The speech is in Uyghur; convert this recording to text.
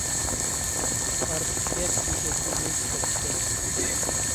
«ئارتۇق گەپ ئېشەككە يۈك» دەپتىكەن.